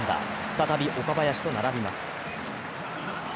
再び岡林と並びます。